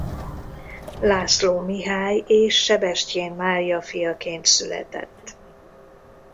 László Mihály és Sebestyén Mária fiaként született.